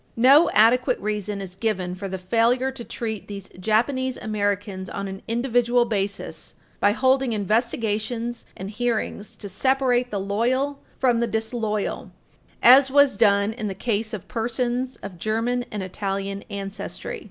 Page 323 U. S. 241 No adequate reason is given for the failure to treat these Japanese Americans on an individual basis by holding investigations and hearings to separate the loyal from the disloyal, as was done in the case of persons of German and Italian ancestry.